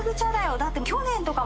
だって。